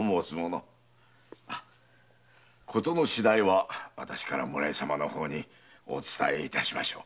ことの次第はわたしから村井様にお伝え致しましょう。